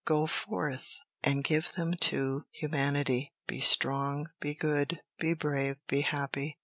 Go forth and give them to humanity. Be strong, be good, be brave, be happy.